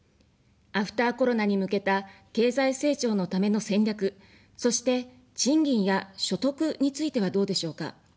アフターコロナに向けた経済成長のための戦略、そして、賃金や所得についてはどうでしょうか。